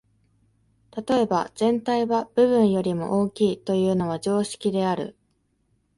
例えば、「全体は部分よりも大きい」というのは常識である。